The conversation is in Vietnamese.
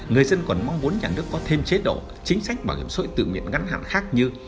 người dân còn mong muốn nhà nước có thêm chế độ chính sách bảo hiểm xã hội tự nguyện ngắn hạn khác như